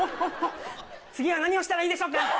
次は何をしたらいいでしょうか？